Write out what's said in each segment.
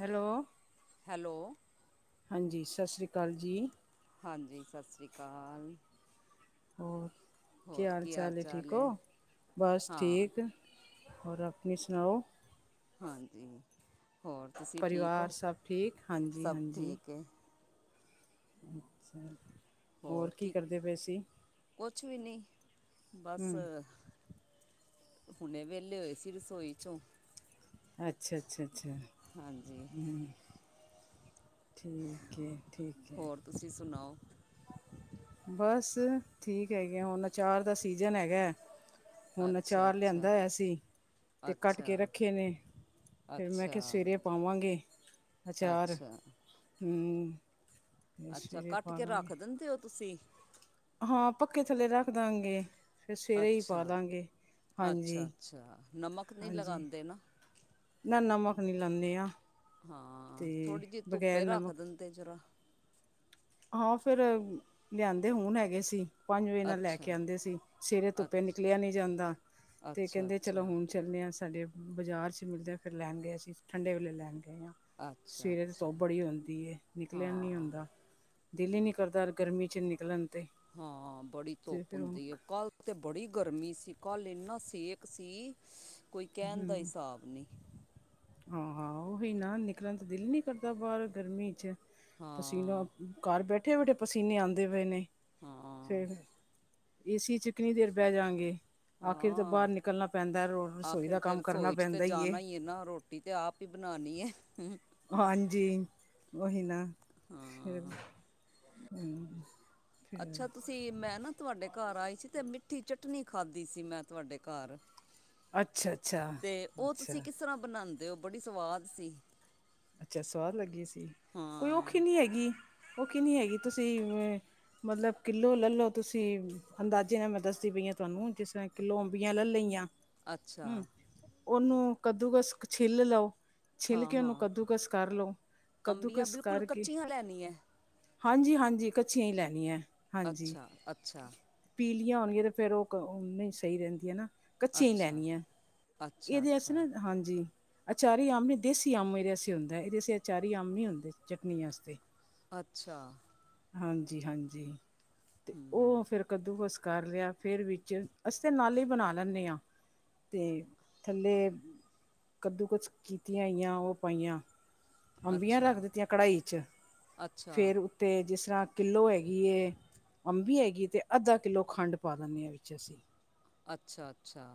Hello hello. ਹਾਂਜੀ, ਸਤਿ ਸ਼੍ਰੀ ਅਕਾਲ ਜੀ। ਹਾਂਜੀ ਸਤਿ ਸ਼੍ਰੀ ਅਕਾਲ। ਹੋਰ ਕੀ ਹਾਲ ਚਾਲ ਹੈ ਠੀਕ ਹੋ ਬਸ ਹਾਂ ਠੀਕ ਹੋਰ ਆਪਣੀ ਸੁਣਾਓ ਹਾਂਜੀ ਹੋਰ ਤੁਸੀਂ ਠੀਕ ਪਰਿਵਾਰ ਹੋ? ਸਭ ਠੀਕ ਹਾਂਜੀ ਸਭ ਹਾਂਜੀ ਠੀਕ ਹੈ। ਅੱਛਾ। ਹੋਰ ਕੀ ਕਰਦੇ ਪਏ ਸੀ ਕੁਛ ਵੀ ਨੀ ਬਸ ਹਮ ਹੁਣੇ ਵਿਹਲੇ ਹੋਏ ਸੀ ਰਸੋਈ ਚੋਂ ਅੱਛਾ, ਅੱਛਾ- ਅੱਛਾ, ਹਾਂਜੀ ਹ। ਠੀਕ ਹੈ, ਠੀਕ ਹੈ। ਹੋਰ ਤੁਸੀਂ, ਸੁਣਾਓ? ਬਸ, ਠੀਕ ਹੈਗੇ ਆ। ਹੁਣ ਅਚਾਰ ਦਾ, ਸੀਜਨ ਹੈਗਾ। ਹੁਣ ਅੱਛਾ ਅਚਾਰ, ਅੱਛਾ ਲਿਆਂਦਾ ਹੋਇਆ ਸੀ। ਤੇ ਕੱਟ ਕੇ, ਅੱਛਾ ਰੱਖੇ ਨੇ। ਫਿਰ ਮੈਂ ਅੱਛਾ। ਕਿਹਾ ਸਵੇਰੇ ਪਾਵਾਂਗੇ, ਆਚਾਰ, ਅੱਛਾ ਹੂੰ। ਅੱਛਾ। ਕੱਟ ਕੇ, ਰੱਖ ਦਿੰਦੇ ਹੋ ਤੁਸੀਂ? ਹਾਂ। ਪੱਖੇ ਥੱਲੇ, ਰੱਖ ਦਾਂਗੇ। ਫੇਰ, ਸਵੇਰੇ ਹੀ ਪਾ ਅੱਛਾ ਦਾਂਗੇ। ਅੱਛਾ ਹਾਂਜੀ, ਅੱਛਾ ਨਮਕ ਨਹੀਂ ਹਾਂਜੀ। ਲਗਾਉਂਦੇ ਨਾ ਨਾ, ਨਮਕ ਨੀ, ਲਾਉਂਦੇ ਆਂ। ਹਾਂ। ਥੋੜੀ ਜਿਹੀ, ਧੁੱਪੇ ਰੱਖ, ਨਮਕ ਦਿੰਦੇ ਜਰਾ। ਹਾਂ ਫੇਰ, ਲਿਆਂਦੇ ਹੁਣ, ਹੈਗੇ ਸੀ। ਪੰਜ ਵਜੇ ਨਾਲ, ਲੈ ਕੇ ਅੱਛਾ ਆਉਂਦੇ ਸੀ। ਸਵੇਰੇ ਧੁੱਪੇ ਅੱਛਾ ਨਿਕਲਿਆ ਨੀ ਜਾਂਦਾ। ਤੇ ਅੱਛਾ ਕਹਿੰਦੇ ਅੱਛਾ ਚਲੋ ਹੁਂਣ। ਚੱਲਣੇ ਹਾਂ। ਸਾਡੇ ਬਾਜ਼ਾਰ ਚ ਮਿਲਦੇ ਹਾਂ। ਫੇਰ ਲੈਣ ਗਏ ਅਸੀਂ। ਠੰਡੇ ਵੇਲੇ ਲੈਣ ਗਏ ਹਾਂ। ਅੱਛਾ ਸਵੇਰੇ ਤੇ, ਅੱਛਾ ਧੁੱਪ ਬੜੀ ਹੁੰਦੀ ਹੈ। ਨਿਕਲਿਆ ਨਹੀਂ ਹਾਂ ਹੂੰਦਾ। ਦਿਲ ਹੀ, ਨਹੀਂ ਕਰਦਾ ਗਰਮੀ ਚੱ ਨਿਕਲਣ ਤੇ। ਹਾਂ। ਬੜੀ ਅਤੇ ਧੁੱਪ ਫਿਰ ਹੁਣ ਹੁੰਦੀ ਹੈ। ਕੱਲ ਤੇ ਬੜੀ ਗਰਮੀ ਸੀ। ਕੱਲ ਇੰਨਾ ਸੇਕ ਸੀ। ਕੋਈ ਕਹਿਣ ਦਾ, ਹਿਸਾਬ ਨਹੀਂ। ਆਹ ਹਾਂ, ਉਹੀ ਨਾ, ਨਿਕਲਣ ਦਾ ਦਿਲ ਨਹੀਂ ਕਰਦਾ, ਬਾਹਰ ਗਰਮੀ ਚੱ। ਪਸੀਨਾ ਹਾਂ ਘਰ ਬੈਠੇ- ਬੈਠੇ, ਪਸੀਨੇ, ਆਉਂਦੇ ਪਏ ਨੇ, ਹਾਂ ਫੇਰ। ਏਸੀ, ਚ ਕਿੰਨੀ ਦੇਰ, ਬਹਿ ਜਾਂਗੇ। ਆਖਿਰ ਤਾਂ, ਹਾਂ ਬਾਹਰ ਨਿਕਲਣਾ ਪੈਂਦਾ। ਰਸੋਈ ਦਾ ਕੰਮ, ਕਰਨਾ ਪੈਂਦਾ ਹੀ ਹੈ। ਇਹ ਨਾ ਰੋ- ਟੀ ਤੇ, ਆਪ ਹੀ, ਬਣਾਉਣੀ ਹੈ। ਹਾਂਜੀ। ਉਹੀ ਨਾ, ਫੇਰ ਹਾਂ ਹਂ। ਅੱਛਾ, ਤੁਸੀਂ, ਮੈਂ ਨਾ ਤੁਹਾਡੇ ਘਰ ਆਈ ਸੀ। ਤੇ ਮਿੱਠੀ ਚਟੱਨੀਂ, ਖਾਧੀ ਸੀ। ਮੈਂ ਤੁਹਾਡੇ ਘਰ। ਅੱਛਾ-ਅੱਛਾ, ਤੇ ਅੱਛਾ ਉਹ, ਤੁਸੀਂ, ਅੱਛਾ ਕਿਸ ਤਰਾਂ ਬਣਾਉਂਦੇ ਹੋ? ਬੜੀ ਸਵਾੱਦ ਸੀ। ਅੱਛਾ। ਸਵਾੱਦ ਲੱਗੀ ਸੀ। ਕੋਈ ਔਖੀ ਹਾਂ ਨਹੀਂ ਹੈਗੀ, ਔਖੀ ਨਹੀਂ ਹੈਗੀ, ਤੁਸੀਂ। ਮੱਤਲਬ, ਕਿੱਲੋ ਲੈ ਲਓ ਤੁਸੀਂ, ਅੰਦਾਜ਼ੇ ਨਾਲ, ਮੈਂ ਦੱਸਦੀ ਪਈ ਹਾਂ, ਤੁਹਾਨੂੰ ਜਿਸ। ਮੈਂ ਕਿਲੋੋ ਅਂਬੀਆਂ, ਲੈ ਲਈਆਂ। ਅੱਛਾ ਹੂੰ। ਉਹਨੂੰ ਕੱਦੂਕਸ, ਛਿੱਲ ਲਓ, ਛਿੱਲ ਹਾਂ ਕੇ ਉਹਨੂੰ ਹਾਂ ਕੱਦੂ ਕਸ, ਕਰ ਲਉ। ਕੱਦੂ ਅੰਬੀਆਂ ਕਸ, ਬਿਲਕੁਲ ਕਰ ਕੇ। ਕੱਚੀਆਂ ਲੈਣੀ ਹੈ ਹਾਂਜੀ- ਹਾਂਜੀ। ਕੱਚੀਆਂ ਹੀ, ਲੈਣੀਆਂ। ਹਾਂਜੀ। ਅੱਛਾ ਅੱਛਾ ਪੀਲੀਆਂ ਹੋਣਗੀਆਂ, ਤੇ ਫੇਰ, ਉਹ ਨਹੀਂ ਸਹੀ, ਰਹਿੰਦੀਆਂ ਨਾਂ। ਕੱਚੀਆਂ ਹੀ, ਅੱਛਾ ਲੈਣੀਆਂ। ਅੱਛਾ ਇਹਦੇ ਆਸਤੇ ਨਾ, ਹਾਂਜੀ। ਅਚਾਰੀ ਅੰਬ ਨੀ, ਦੇਸੀ ਅੰਬ ਇਹਦੇ ਵਾਸਤੇ ਹੁੰਦਾ। ਇਹਦੇ ਅਚਾਰੀ ਅੰਬ ਨਹੀਂ ਹੁੰਦੇ। ਚਟਨੀ ਵਾਸਤੇ। ਅੱਛਾ। ਹਾਂਜੀ- ਹਾਂਜੀ। ਤੇ ਉਹ, ਫੇਰ ਕੱਦੂ ਕਸ, ਕਰ ਲਿਆ। ਫਿਰ ਵਿੱਚ, ਅਸੀਂ ਤਾਂ ਨਾਲ ਹੀ ਬਣਾ ਲੈਂਦੇ ਹਾਂ। ਤੇ ਥੱਲੇ ਕੱਦੂ ਕਸ ਕੀਤੀਆਂ ਹੋਈਆਂ, ਉਹ ਪਾਈਆਂ ਅੱਛਾ ਅੰਬੀਆਂ ਅੱਛਾ ਰੱਖ ਦਿੱਤੀਆਂ ਕੱੜਾਹੀ ਵਿਚ ਅੱਛਾ ਫਿਰ ਅਤੇ ਜਿਸ ਤਰ੍ਹਾਂ ਕਿੱਲੋ ਹੈਗੀ ਏ। ਅੰਬੀ ਹੈਗੀ ਤੇ, ਅੱਧਾ ਕਿੱਲੋ, ਖੰਡ ਪਾ ਦਿੰਦੇ ਹਾਂ। ਵਿੱਚ ਅਸੀਂ। ਅੱਛਾ। ਅੱਛਾ।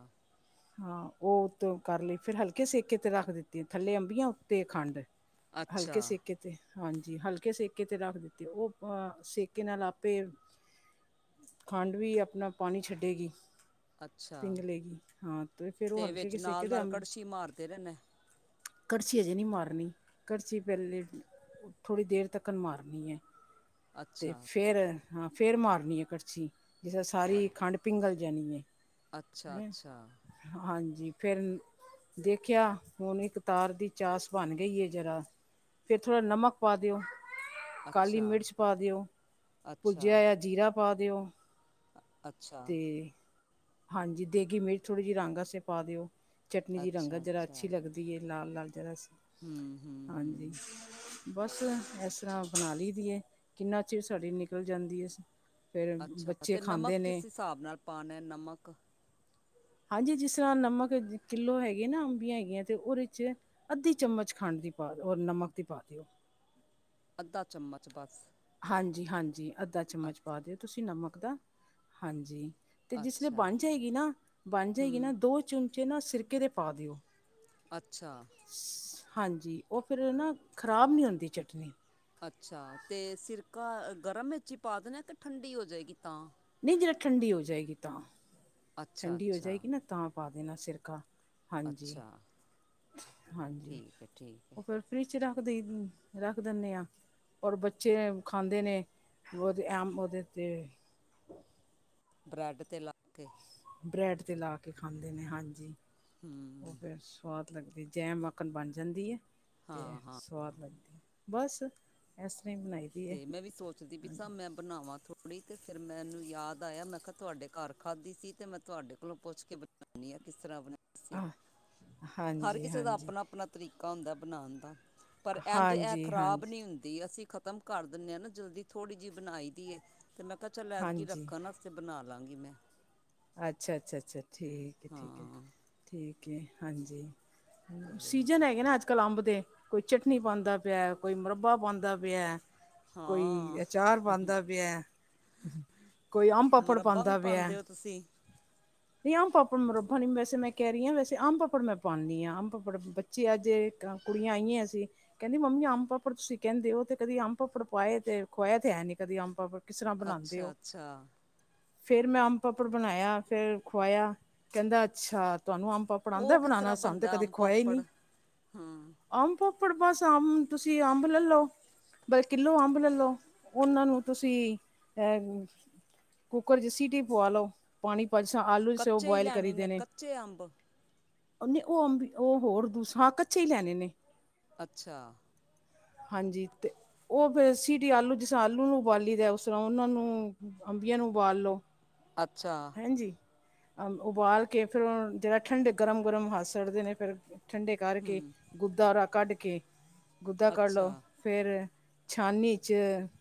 ਹਾਂ। ਉਹ ਤੋਂ ਕਰ ਲਈ। ਫੇਰ ਹਲਕੇ, ਸੇਕੇ ਤੇ ਰੱਖ ਦਿੱਤੀਆਂ। ਥੱਲੇ ਅੰਬੀਆਂ, ਉੱਤੇ ਖੰਡ। ਹਲਕੇ, ਅੱਛਾ ਸੇਕੇ। ਤੇ ਹਾਂਜੀ। ਹਲਕੇ ਸੇਕੇ, ਤੇ ਰੱਖ ਦਿੱਤੇ। ਉਹ ਅਹ ਸੇਕੇ ਨਾਲ ਆਪੇ। ਖੰਡ ਵੀ ਆਪਣਾ, ਪਾਣੀ ਛੱਡੇਗੀ। ਅੱਛਾ ਪਿੰਗਲੇ ਗੀ। ਤੇ ਵਿੱਚ, ਨਾਲ- ਨਾਲ, ਕੜਸੀ ਮਾਰਦੇ ਰਹਿਣਾ। ਕੱੜਛੀ ਹਜੇ ਨਹੀਂ, ਮਾਰਨੀ। ਕੱੜਛੀ ਪਹਿਲੇ, ਥੋੜੀ ਦੇਰ ਤੱਕਰ ਮਾਰਨੀ ਹੈ। ਤੇ ਅੱਛਾ ਫੇਰ, ਹਾਂ ਫਿਰ, ਮਾਰਨੀ ਹੈ ਕੱੜਛੀ। ਜਿਸੇ ਅ- ਸਾਰੀ ਖੰਡ ਪਿੰਗਲ ਜਾਣੀ ਹੈ। ਅੱਛਾ- ਹੈਂ ਅੱਛਾ। ਹਾਂਜੀ, ਫਿਰ ਦੇਖਿਆ ਹੁਣ ਇਕ ਤਾਰ ਦੀ ਚਾਸ ਬਣ ਗਈ ਐ ਜਰਾ। ਫੇਰ ਥੋੜਾ ਨਮਕ ਪਾ ਦਿਓ। ਕਾਲੀ ਅੱਛਾ। ਮਿਰਚ ਪਾ ਦਿਓ, ਅੱਛਾ ਬੁਝਿਆ ਆ ਜੀਰਾ ਪਾ ਦਿਓ। ਅੱਛਾ। ਤੇ ਹਾਂਜੀ, ਦੇਗੀ ਮਿਰਚ ਥੋੜ੍ਹੀ ਜਿਹੀ ਰੰਗ ਆਸਤੇ ਪਾ ਦਿਓ। ਚਟਨੀ ਦੀ ਅੱਛਾ ਰੰਗਤ ਜਰਾ ਅੱਛਾ ਅੱਛੀ ਲੱਗਦੀ ਦੀਏ ਲਾਲ-ਲਾਲ ਜਿਹੜਾ ਸੀ, ਹੂੰ ਹੂੰ ਹਾਂਜੀ। ਹੂੰ ਬਸ ਇਸ ਤਰ੍ਹਾਂ ਬਣਾ ਲਈ ਦੀਏ, ਕਿੰਨਾ ਚਿਰ ਸਾਡੀ ਨਿਕਲ ਜਾਂਦੀ ਐ। ਫਿਰ ਬੱਚੇ ਖਾਂਦੇ ਨੇ। ਸਾਬ ਨਾਲ ਪਾਣਾ ਨਮਕ ਹਾਂਜੀ, ਜਿਸ ਤਰ੍ਹਾਂ ਨਮਕ ਕਿੱਲੋ ਹੈਗੇ ਨਾ ਅੰਬੀਆਂ ਹੈਗੀਆਂ ਤੇ ਉਹਦੇ ਚ ਅੱਧੀ ਚਮਚ ਖੰਡ ਦੀ ਪਾ ਔਰ ਨਮਕ ਦੀ ਪਾ ਦਿਓ। ਅੱਧਾ ਚਮਚ ਬਸ। ਹਾਂਜੀ-ਹਾਂਜੀ, ਅੱਧਾ ਚਮਚ ਅੱਛ- ਪਾ ਦਿਓ ਤੁਸੀਂ ਨਮਕ ਦਾ ਹਾਂਜੀ। ਅਤੇ ਜਿਸ ਵੇਲੇ ਅੱਛਾ ਬਣ ਜਾਏਗੀ ਨਾ, ਬਣ ਹੂੰ ਜਾਏਗੀ ਨਾ ਦੋ ਚਮਚੇ ਨਾ ਸਿਰਕੇ ਦੇ ਪਾ ਦਿਓ। ਅੱਛਾ। ਹਾਂਜੀ, ਉਹ ਫਿਰ ਨਾ ਖਰਾਬ ਨੀ ਹੁੰਦੀ ਚਟਨੀ। ਅੱਛਾ, ਤੇ ਸਿਰਕਾ ਗਰਮ ਵਿਚ ਪਾ ਦੇਣਾ ਕਿ ਠੰਡੀ ਹੋ ਜਾਵੇਗੀ ਤਾਂ। ਨਹੀਂ ਜਿਹੜਾ ਠੰਡੀ ਹੋ ਜਾਏਗੀ ਤਾਂ ਅੱਛਾ ਠੰਡੀ ਹੋ ਅੱਛਾ ਜਾਏਗੀ ਨਾ ਤਾਂ ਪਾ ਦੇਣਾ ਸਿਰਕਾ। ਅੱਛਾ ਹਾਂਜੀ-ਹਾਂਜੀ, ਠੀਕ ਹੈ ਠੀਕ ਹੈ ਉਹ ਫਿਰ ਫਰਿਜ ਚ ਰੱਖ ਦੇਈ, ਰੱਖ ਦਿੰਦੇ ਆ। ਔਰ ਬੱਚੇ ਖਾਂਦੇ ਨੇ ਉਹਦੇ ਐਮ ਉਹਦੇ ਤੇ ਬਰੈਡ ਤੇ ਲਾ ਕੇ ਬ੍ਰੈਡ ਤੇ ਲਾ ਕੇ ਖਾਂਦੇ ਨੇ ਹਾਂਜੀ, ਉਹ ਹੂੰ ਫਿਰ ਸੁਆਦ ਲਗਦੀ ਐ, ਜੈਮ ਵਾਕਨ ਬਣ ਜਾਂਦੀ ਏ ਤੇ ਹਾਂ ਹਾਂ ਸੁਆਦ ਲੱਗਦੀ ਐ। ਬਸ, ਇਸ ਤਰ੍ਹਾਂ ਹੀ ਬਣਾਈ। ਦੀ ਹੈ ਤੇ ਮੈਂ ਵੀ ਸੋਚਦੀ ਪਈ ਸਾਂ, ਹਾਂਜੀ ਮੈਂ ਬਣਾਵਾਂ ਥੋੜ੍ਹਾ ਥੋੜੀ ਕ, ਫੇਰ ਮੈਨੂੰ ਯਾਦ ਆਇਆ ਮੈਂ ਕਿਹਾ ਤੁਹਾਡੇ ਘਰ ਖਾਧੀ ਸੀ ਤੇ ਮੈਂ ਤੁਹਾਡੇ ਕੋਲੋਂ ਪੁੱਛ ਕੇ ਬਣ ਕਿਸ ਤਰ੍ਹਾਂ ਬਣਾ ਤੁਸੀਂ, ਹਾਂ- ਹਰ ਹਾਂਜੀ ਕਿਸੇ ਦਾ ਹਾਂਜੀ ਆਪਣਾ-ਆਪਣਾ ਤਰੀਕਾ ਹੁੰਦਾ ਬਣਾਣ ਦਾ। ਪਰ ਇੰਝ ਇਹ ਹਾਂਜੀ ਖ਼ਰਾਬ ਹਾਂਜੀ ਨਹੀਂ ਹੁੰਦੀ, ਅਸੀਂ ਖ ਕਰ ਦਿੰਦੇ ਆ ਨਾ ਜਲਦੀ ਥੋੜ੍ਹੀ ਜਿਹੀ ਬਣਾਈ ਦੀ ਏ ਤੇ ਮੈਂ ਕਿਹਾ ਚੱਲ ਐਦਕੀ ਹਾਂਜੀ ਰੱਖਣ ਨ ਤੇ ਬਣਾ ਲਾਗੀ ਮੈਂ ਅੱਛਾ-ਅੱਛਾ-ਅੱਛਾ ਠੀਕ ਐ, ਠੀਕ ਐ, ਹਾਂ ‌ਠੀਕ ਐ ਹਾਂਜੀ। ਅਤੇ ਸੀਜਨ ਹੈਗੇ ਨਾ ਅੱਜ ਕਲੰਬ ਦੇ ਕੋਈ ਚਟਨੀ ਪਾਂਦਾ ਪਿਆ, ਕੋਈ ਮੁਰੱਬਾ ਪਾਂਦਾ ਪਿਆ। ਕੋਈ ਹਾਂ ਅਚਾਰ ਪਾਉਂਦਾ ਪਿਆ ਕੋਈ ਆਮ ਪਾਪੜ ਮੁਰੱਬਾ ਵੀ ਪਾਉਂਦਾ ਪਿਆ ਪਾਉਂਦੇ ਹੋ ਤੁਸੀਂ ਵੀ ਆਮ ਪਾਪੜ ਮੁਰੱਬਾ ਵੈਸੇ ਮੈਂ ਕਹਿ ਰਹੀ ਵੈਸੇ ਆਮ ਪਾਪੜ ਮੈਂ ਪਾਉਂਦੀ ਹਾਂ ਆਮ ਪਾਪੜ, ਜੀ ਅੱਜ ਕੁੜੀਆਂ ਆਈਆਂ ਸੀ। ਕਹਿੰਦੀ ਮੰਮੀ ਅੰਮ ਪਾੱਪੜ ਤੁਸੀਂ ਕਹਿੰਦੇ ਹੋ ਤੇ ਕਦੀ ਅੰਬ ਪਾੱਪੜ ਪਾਏ ਤੇ ਖੁਆ ਤੇ ਹੈ ਨੀ ਕਦੀ ਅੰਮ ਪਾੱਪੜ। ਕਿਸ ਤਰ੍ਹਾਂ ਬਣਾਦੇ ਅੱਛਾ ਹੋ। ਅੱਛਾ ਫੇਰ ਮੈਂ ਅੰਬ ਪਾਪੜ ਬਣਾਇਆ ਫੇਰ ਖੁਵਾਇਆ ਕਹਿੰਦਾ। ਅੱਛਾ, ਤੁਹਾਨੂੰ ਅੰਬ ਪਾਪੜ ਪੜਦਾ ਉਹ ਕਿਸ ਬਣਾਣਾ ਤਰ੍ਹਾਂ ਸਾਨੂੰ ਤੇ ਬਣਦਾ ਕਦੇ ਅੰਬ ਖੋਇਆ ਹੀ ਪਾਪੜ ਨੀ। ਅੰਬ ਪਾੋਪੜ ਬਸ ਅੰਬ, ਤੁਸੀਂ ਅੰਬ ਲੈ ਲਓ। ਕਿੱਲੋ ਅੰਬ ਲੈ ਲਓ। ਉਹਨਾਂ ਨੂੰ ਤੁਸੀਂ ਅਹ ਕੁੱਕਰ ਚ ਸੀਟੀ ਪੂਆ ਲਓ। ਪਾਣੀ ਭਾਰ ਸਾਂ, ਆਲੂ ਜਿਸਰਾ ਉਹ ਕੱਚੇ ਹੀ ਬੁਆਇਲ ਕਰੀ ਲੈਣੇ ਨੇ ਦੇਣੇ। ਕੱਚੇ ਅੰਬ ਉਹਨੇ ਉਹ ਅੰਬ ਉਹ ਹੋਰ ਤੂੰ ਸਾਗ ਕੱਚੇ ਹੀ ਲੈਣੇ ਨੇ ਅੱਛਾ ਹਾਂਜੀ ਤੇ ਉਹ ਫਿਰ ਸੀਟੀ ਆਲੂ ਜਿਸ ਤਰ੍ਹਾਂ ਆਲੂ ਨੂੰ ਉਬਾਲੀ ਰਿ ਉਸ ਤਰ੍ਹਾਂ ਉਹਨਾਂ ਨੂੰ ਅੰਬੀਆਂ ਨੂੰ ਉਬਾਲ ਲੋੋ ਅੱਛਾ ਹਾਂਜੀ ਅ ਉਬਾਲ ਕੇ ਫਿਰ ਉਹ ਜਿਹੜਾ ਠੰਡੇ ਗਰਮ ਗਰਮ ਹਥ ਸੜਦੇ ਨੇ ਫਿਰ ਠੰਡੇ ਕਰਕੇ ਗੁਦਾਰਾ ਕੱਢ ਕੇ ਗੁਦਾ ਕੱਢ ਲਓ ਅੱਛਾ ਫਿਰ ਛਾਨੀ'ਚ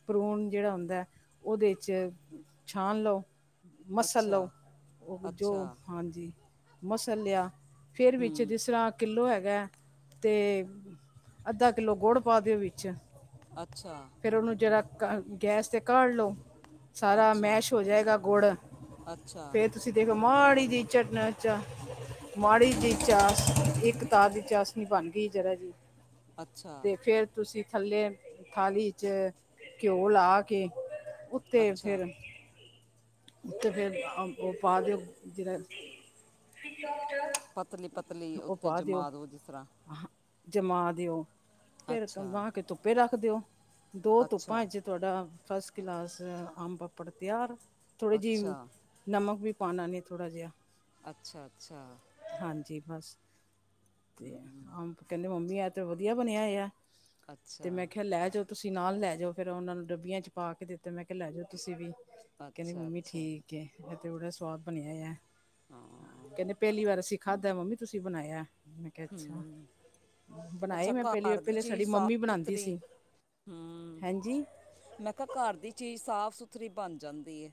ਪਰੂਣ ਜਿਹੜਾ ਹੁੰਦਾ ਉਹਦੇ 'ਚ ਛਾਣ ਲਓ ਮਸਲ ਅੱਛਾ ਲਓ ਉਹ ਜੋ ਅੱਛਾ ਹਾਂਜੀ ਮਸਲਿਆ ਫਿਰ ਵਿੱਚ ਹੂੰ ਜਿਸ ਤਰ੍ਹਾਂ ਕਿਲੋ ਹੈਗਾ ਅਤੇ ਅੱਧਾ ਕਿੱਲੋ ਗੁੜ ਪਾ ਦਿਓ ਵਿੱਚ ਅੱਛਾ ਫਿਰ ਉਹਨੂੰ ਜਿਹੜਾ ਗੈਸ 'ਤੇ ਕਾਢ ਲਉ ਸਾਰਾ ਅੱਛਾ ਮੈਸ਼ ਹੋ ਜਾਏਗਾ ਗੁੜ ਅੱਛਾ ਫਿਰ ਤੁਸੀਂ ਦੇਖੋ ਮਾੜੀ ਜਿਹੀ ਚਟਨਾ ਚਾ ਮਾੜੀ ਜ ਚਸ ਇੱਕਤਾਰ ਦੀ ਚਸ ਨੀ ਬਣ ਗਈ ਜਰਾ ਜੀ ਅੱਛਾ ਤੇ ਫਿਰ ਤੁਸੀਂ ਥੱਲੇ ਥਾਲੀ ਚ ਘਿਓ ਲਾ ਕੇ ਉੱਤੇ ਉੱਥੇ ਅੱਛਾ ਰੱਖੀ ਉੱਥ ਫਿਰ ਅੰਬ ਉਹ ਪਾ ਦਿਓ ਦਿਨਾਂ ਚ ਪਤਲੀ ਪਤਲੀ ਉੱਤੇ ਜਮਾਤ ਦਿਉ ਜਿਸ ਤਰ੍ਹਾਂ ਆ ਜਮਾ ਦਿਓ ਫਿਰ ਅੱਛਾ ਅਬਾਂ ਕੇ ਧੁੱਪੇ ਰੱਖ ਦਿਓ ਦੋ ਧੁੱਪਾ ਅੱਛਾ ਵਿੱਚ ਤੁਹਾਡਾ ਫਸਟ ਕਲਾਸ ਆਮ ਪਾਪੜ ਤਿਆਰ ਥੋੜੀ ਜਿਹੀ ਅੱਛਾ ਨਮਕ ਵੀ ਪਾਉਣਾ ਨੇ ਥੋੜਾ ਜਿਹਾ ਅੱਛਾ-ਅੱਛਾ ਹਾਂਜੀ ਬਸ ਤੇ ਹਮ, ਅੰਬ ਕਹਿੰਦੇ ਮੰਮੀ ਐ ਤੇ ਵਧੀਆ ਬਣਿਆ ਹੈ ਤੇ ਅੱਛਾ ਮੈਂ ਕਿਹਾ ਲੈ ਜੋ ਤੁਸੀਂ ਨਾਲ ਲੈ ਜਾਓ ਫਿਰ ਉਹਨਾਂ ਨੂੰ ਡੱਬੀਆਂ ਚ ਪਾ ਕੇ ਦਿੱਤੇ ਮੈਂ ਕਿਹਾ ਲੈ ਜਾਓ ਤੁਸੀਂ ਵੀ ਕਹਿੰਦੀ ਅੱਛਾ ਮੰਮੀ ਅੱਛਾ ਠੀਕ ਏ ਇਹ ਤੇ ਬੜਾ ਸਵਾਦ ਬਣਿਆ ਹੈ ਹਾਂ ਕਹਿੰਦੇ ਪਹਿਲੀ ਵਾਰ ਅਸੀਂ ਖਾਧਾ ਮੰਮੀ ਤੁਸੀਂ ਬਣਾਇਆ ਮੈਂ ਕਿਹਾ ਅੱਛਾ ਬਣਾਈ ਅੱਛਾ ਮੈਂ ਪਹਿਲੀ ਪਹਿਲੇ ਸਾਡੀ ਮੰਮੀ ਬਣਾਉਂਦੀ ਸੀ ਹੂ ਹਾਂਜੀ ਮੈਂ ਕਿਹਾ ਘਰ ਦੀ ਚੀਜ਼ ਸਾਫ ਸੁਥਰੀ ਬਣ ਜਾਂਦੀ ਹੈ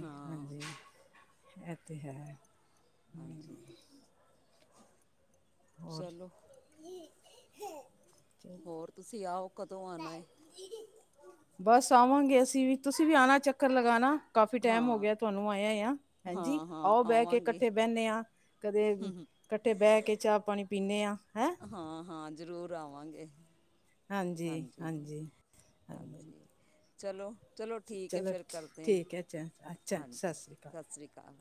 ਹਾਂ ਇਹ ਤਾਂ ਹੈ ਹਾਂਜੀ ਹੋਰ ਚਲੋ ਚਲ ਹੋਰ ਤੁਸੀਂ ਆਓ ਕਦੋਂ ਆਉਣਾ ਬਸ ਆਵਾਂਗੇ ਅਸੀਂ ਵੀ ਤੁਸੀਂ ਵੀ ਆਣਾ ਚੱਕਰ ਲਗਾਣਾ ਕਾਫ਼ੀ ਟਾਈਮ ਹੋ ਹਾਂ ਗਿਆ ਤੁਹਾਨੂੰ ਆਏਆ ਆ ਹਾਂਜੀ ਹਾਂ ਹਾਂ ਆਓ ਬਹਿ ਕੇ ਆਵਾਂਗੇ ਇਕੱਠੇ ਬਹਿੰਦੇ ਆਂ ਕਦੇ ਇਕੱਠੇ ਬਹਿ ਕੇ ਚਾਹ ਪਾਣੀ ਪੀਂਦੇ ਹਾਂ ਹੈ ਹਾਂ-ਹਾਂ ਜ਼ਰੂਰ ਆਵਾਂਗੇ ਹਾਂਜੀ ਹਾਂਜੀ ਚਲੋ ਚਲੋ ਚ- ਠੀਕ ਹੈ ਚਲੋ ਫਿਰ ਠੀ- ਕਰਦੇ ਹਾਂ ਠੀਕ ਹੈ ਅੱਛਾ ਅੱਛਾ ਸਤਿ ਹਾਂਜੀ ਸ੍ਰੀ ਅਕਾਲ ਸਤਿ ਸ਼੍ਰੀ ਅਕਾਲ